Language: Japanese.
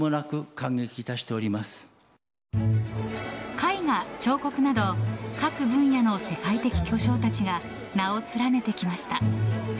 絵画、彫刻など各分野の世界的巨匠たちが名を連ねてきました。